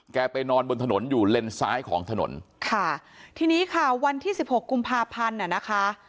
ไปนอนบนถนนอยู่เลนซ้ายของถนนค่ะทีนี้ค่ะวันที่สิบหกกุมภาพันธ์น่ะนะคะ